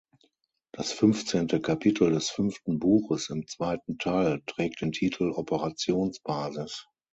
Das fünfzehnte Kapitel des fünften Buches im zweiten Teil trägt den Titel "Operationsbasis".